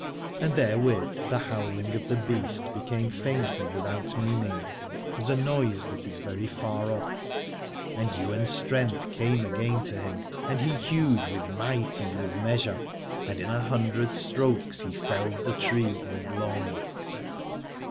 And therewith the howling of the Beast became faint and without meaning, as a noise that is very far off: and Ywain's strength came again to him and he hewed with might and with measure, and in a hundred strokes he felled the tree endlong.